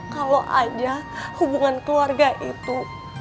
kalau ada hubungan keluarga itu